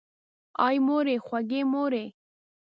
آی مورې خوږې مورې!